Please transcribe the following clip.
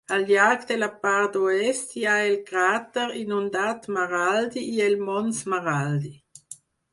Al llarg de la part oest hi ha el cràter inundat Maraldi i el Mons Maraldi.